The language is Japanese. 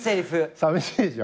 さみしいでしょ？